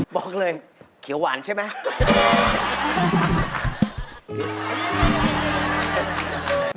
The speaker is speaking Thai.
บอกเลยเขียวหวานใช่ไหม